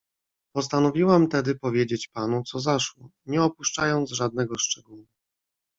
"Postanowiłam tedy powiedzieć panu co zaszło, nie opuszczając żadnego szczegółu“."